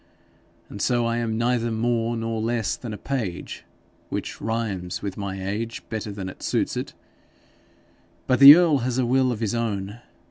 And so I am neither more nor less than a page, which rhymes with my age better than suits it. But the earl has a will of his own.